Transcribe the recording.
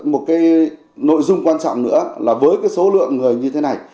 một cái nội dung quan trọng nữa là với cái số lượng người như thế này